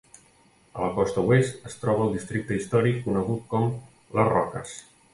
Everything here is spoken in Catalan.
A la costa oest es troba el districte històric conegut com Les Roques.